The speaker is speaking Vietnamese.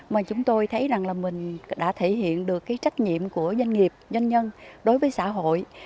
mà chúng tôi thấy rằng là mình đã thể hiện được cái trách nhiệm của doanh nghiệp doanh nhân đối với xã hội